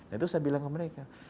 nah itu saya bilang ke mereka